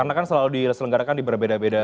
karena kan selalu diselenggarakan di berbeda beda kota